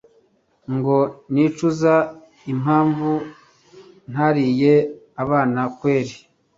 ngo nicuza impamvu ntariye abana kweli